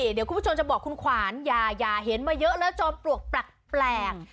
เดี๋ยวคุณผู้ชมจะบอกคุณขวานอย่าเห็นมาเยอะแล้วจอมปลวกแปลก